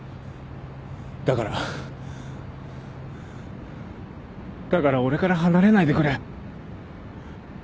だからだから俺から離れないでくれ。